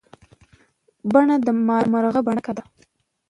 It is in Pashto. بڼه د مارغه بڼکه ده.